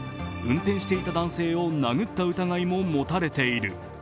運転していた男性を殴った疑いも持たれている。